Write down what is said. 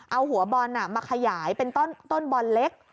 เอาหัวบอลมาขยายเป็นต้นบอลเล็ก